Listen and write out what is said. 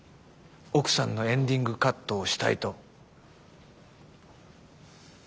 奥さんのエンディングカットをしたいと？